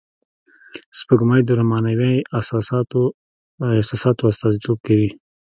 سپوږمۍ د رومانوی احساساتو استازیتوب کوي